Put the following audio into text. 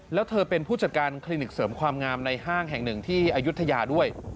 แล้วเธอเป็นผู้จัดการคลินิกเสริมความงามในห้างแห่งหนึ่งที่อายุทยาด้วย